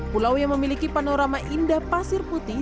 pulau yang memiliki panorama indah pasir putih